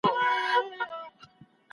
که بندیز نه وای، کار اسانه و.